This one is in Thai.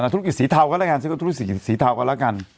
ธุรกิจสีเทาก็แล้วกันซื้อก็ธุรกิจสีเทากันแล้วกัน